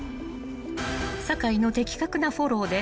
［酒井の的確なフォローで］